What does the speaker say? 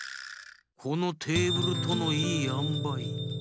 このテーブルとのいいあんばい。